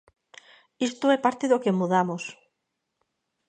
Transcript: Iso é parte do que mudamos.